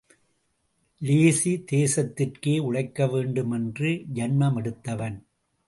Lazy தேசத்திற்கே உழைக்கவேண்டுமென்று ஜன்மமெடுத்தவன்.